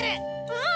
うん！